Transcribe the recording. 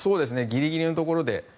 ギリギリのところで。